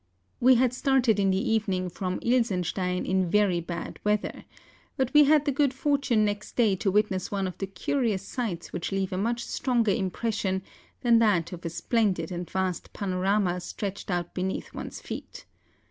We had started in the evening from Ilsenstein in very bad weather; but we had the good fortune next day to witness one of the curious sights which leave a much stronger impression than that of a splendid and vast pano¬ rama stretched out beneath one's feet.